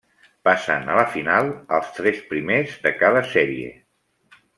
Passen a la final els tres primers de cada sèrie.